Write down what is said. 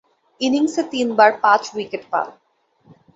ইনিংসে তিনবার পাঁচ-উইকেট পান।